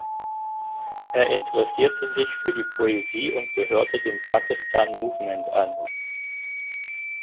Er interessierte sich für die Poesie und gehörte dem Pakistan Movement an.